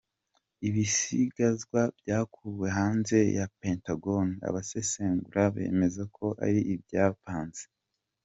Ibisigazwa byakuwe hanze ya Pentagon, abasesengura bemeza ko ari ibyapanze.